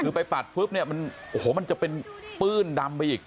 คือไปปัดมันจะเป็นเปื้อนดำไปอีก